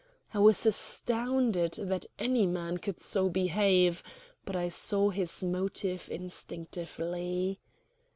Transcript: I was astounded that any man could so behave; but I saw his motive instinctively.